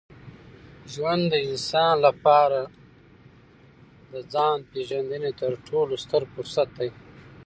ژوند د انسان لپاره د ځان پېژندني تر ټولو ستر فرصت دی.